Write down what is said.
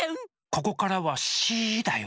ここからはシーだよ。